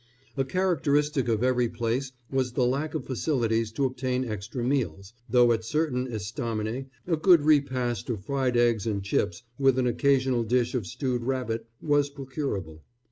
A characteristic of every place was the lack of facilities to obtain extra meals, though at certain estaminets a good repast of fried eggs and chips, with an occasional dish of stewed rabbit, was procurable.